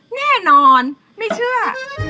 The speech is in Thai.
แน่นอนไม่เชื่อ